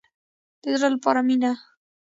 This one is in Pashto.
د زړه لپاره مینه.